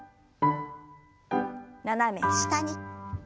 斜め下に。